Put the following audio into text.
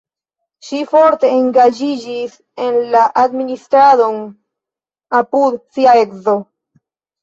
Ŝi forte engaĝiĝis en la administradon apud sia edzo.